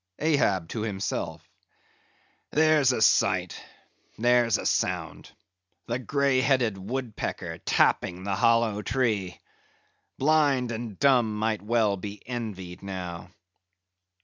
(Ahab to himself.) "There's a sight! There's a sound! The greyheaded woodpecker tapping the hollow tree! Blind and dumb might well be envied now.